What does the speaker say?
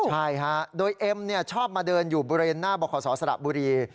ใช่ฮะโดยเอ็มชอบมาเดินอยู่บริเวณหน้าบขสระบุรี